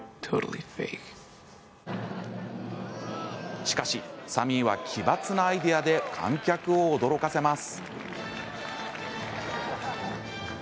しかしサミーは奇抜なアイデアで観客を驚かせます。